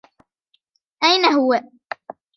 أين هو ؟